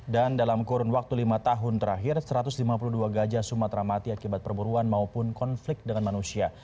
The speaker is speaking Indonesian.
dan dalam kurun waktu lima tahun terakhir satu ratus lima puluh dua gajah sumatera mati akibat perburuan maupun konflik dengan manusia